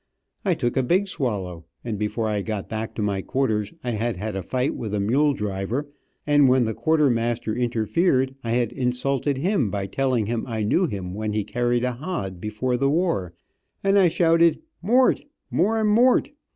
I took a big swallow, and before I got back to my quarters I had had a fight with a mule driver, and when the quartermaster interfered I had insulted him by telling him I knew him when he carried a hod, before the war, and I shouted, "Mort, more mort!"